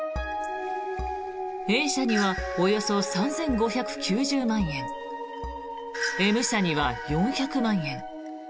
Ａ社にはおよそ３５９０万円Ｍ社には４００万円